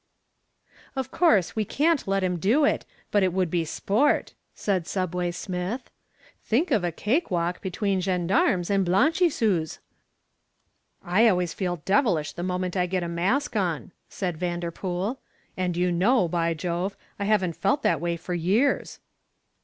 "Of course we can't let him do it, but it would be sport," said "Subway" Smith. "Think of a cake walk between gendarmes and blanchiseuses." "I always feel devilish the moment I get a mask on," said Vanderpool, "and you know, by Jove, I haven't felt that way for years."